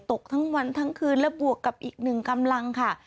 ตกทั้งวันทั้งคืนและบวกกับอีกหนึ่งกำลังค่ะ